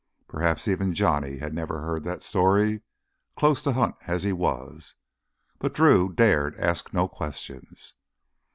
Perhaps even Johnny had never heard that story, close to Hunt as he was. But Drew dared ask no questions.